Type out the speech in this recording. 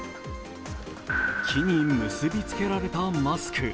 木に結びつけられたマスク。